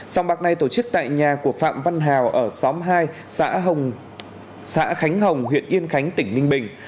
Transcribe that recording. sông bạc này tổ chức tại nhà của phạm văn hào ở xóm hai xã khánh hồng huyện yên khánh tỉnh ninh bình